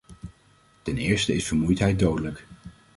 Ten eerste is vermoeidheid dodelijk.